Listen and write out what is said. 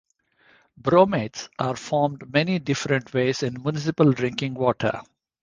Bromates are formed many different ways in municipal drinking water.